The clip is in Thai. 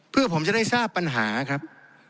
เพื่อผมจะได้ทราบปัญหาครับ